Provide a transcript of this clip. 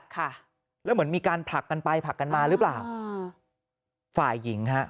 ค่ะแล้วเหมือนมีการผลักกันไปผลักกันมาหรือเปล่าอ่าฝ่ายหญิงฮะ